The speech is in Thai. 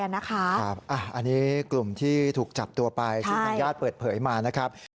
อันนี้กลุ่มที่ถูกจับตัวไปซึ่งทางญาติเปิดเผยมานะครับ